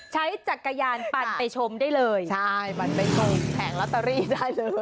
ใช้จักรยานปั่นไปชมได้เลยใช่ปั่นไปชมแผงลอตเตอรี่ได้เลย